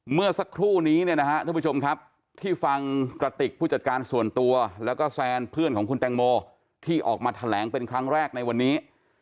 เมื่อสักครู่นี้ที่ฟังกระติกผู้จัดการส่วนตัวและแซนเพื่อนของคุณแตงโมที่ออกมาแถลงเป็นครั้งแรกในวันนี้